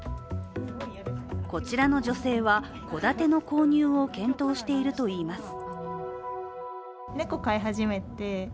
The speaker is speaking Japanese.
こちらの女性は戸建ての購入を検討しているといいます。